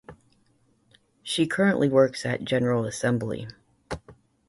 She currently works at General Assembly.